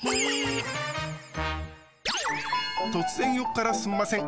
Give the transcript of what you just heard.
突然横からすんません。